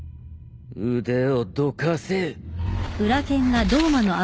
腕をどかせ。